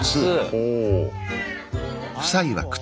ほう。